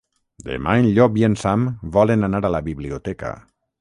Demà en Llop i en Sam volen anar a la biblioteca.